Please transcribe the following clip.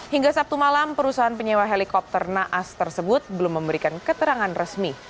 hingga sabtu malam perusahaan penyewa helikopter naas tersebut belum memberikan keterangan resmi